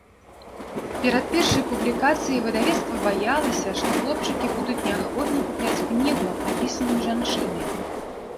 Перад першай публікацыяй выдавецтва баялася, што хлопчыкі будуць неахвотна купляць кнігу, напісаную жанчынай.